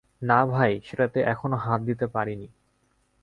না ভাই, সেটাতে এখনো হাত দিতে পারি নি।